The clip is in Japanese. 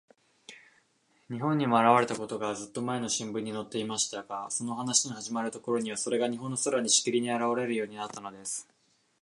日本にもあらわれたことが、ずっとまえの新聞にのっていましたが、そのお話のはじまるころには、それが日本の空に、しきりにあらわれるようになったのです。